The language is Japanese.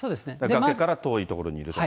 崖から遠い所にいるとか。